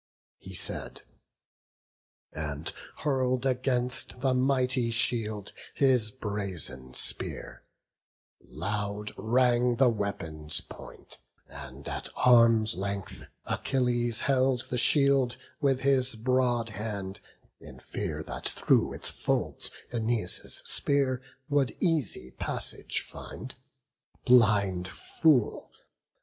He said, and hurl'd against the mighty shield His brazen spear; loud rang the weapon's point; And at arm's length Achilles held the shield With his broad hand, in fear that through its folds Æneas' spear would easy passage find; Blind fool!